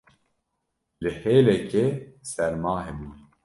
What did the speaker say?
li hêlekê serma hebû